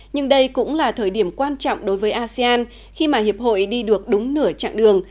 nhưng đây cũng là thời điểm quan trọng đối với asean khi mà hiệp hội đi được đúng nửa chặng đường